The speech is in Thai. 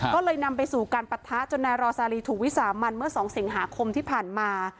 ก็เลยนำไปสู่การปะทะจนนายรอซาลีถูกวิสามันเมื่อ๒สิงหาคมที่ผ่านมา